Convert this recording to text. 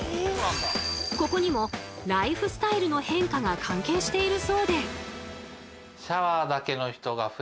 ここにもライフスタイルの変化が関係しているそうで。